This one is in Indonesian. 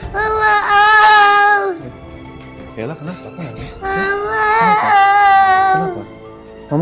kamu tuh seharusnya gak lupa siapa kamu